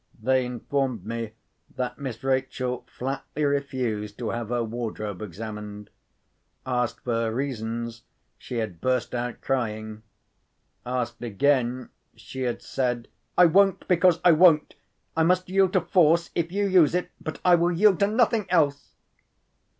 They informed me that Miss Rachel flatly refused to have her wardrobe examined. Asked for her reasons, she had burst out crying. Asked again, she had said: "I won't, because I won't. I must yield to force if you use it, but I will yield to nothing else."